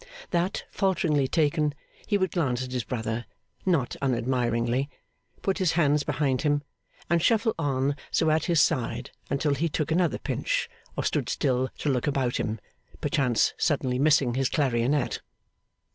That falteringly taken, he would glance at his brother not unadmiringly, put his hands behind him, and shuffle on so at his side until he took another pinch, or stood still to look about him perchance suddenly missing his clarionet.